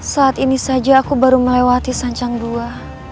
saat ini saja aku baru melewati sancang dua